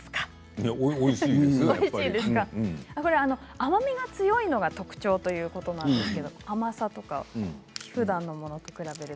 甘みが強いのが特徴ということなんですけれども、甘さとかふだんのものと比べて。